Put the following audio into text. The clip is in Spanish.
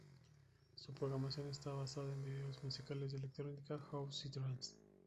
Su programación está basada en vídeos musicales de electrónica, house y trance.